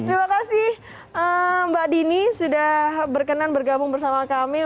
terima kasih mbak dini sudah berkenan bergabung bersama kami